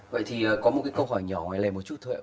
vậy thì có một câu hỏi nhỏ ngoài này một chút thôi ạ